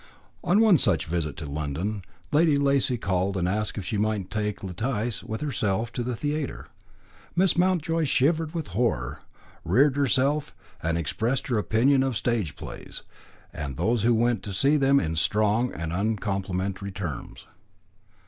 On one such visit to London, Lady Lacy called and asked if she might take Letice with herself to the theatre. Miss Mountjoy shivered with horror, reared herself, and expressed her opinion of stage plays and those who went to see them in strong and uncomplimentary terms.